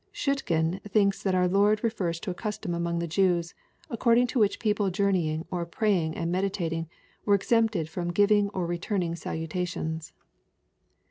Schoettgen thinks that our Lord refers to a custom among the Jews, according to which people journeying, or praying, and meditating, were exempted from giving or returning salutations.